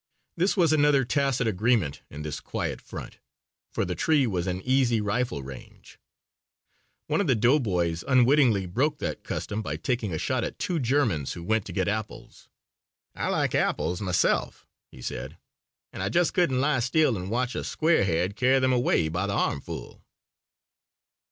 This was another tacit agreement in this quiet front, for the tree was in easy rifle range. One of the doughboys unwittingly broke that custom by taking a shot at two Germans who went to get apples. "I like apples myself," he said, "and I just couldn't lie still and watch a squarehead carry them away by the armful."